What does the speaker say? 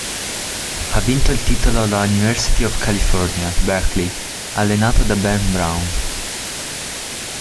Ha vinto il titolo la University of California, Berkeley, allenata da Ben Braun.